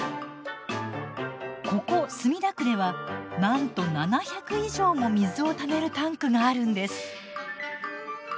ここ墨田区ではなんと７００以上も水をためるタンクがあるんです。